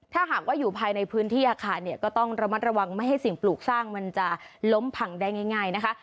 ถ้าหากว่าอยู่ภายในพื้นที่อาคารเนี่ยก็ต้องระมัดระวังไม่ให้สิ่งปลูกสร้างมันจะล้มผังได้ง่ายนะคะ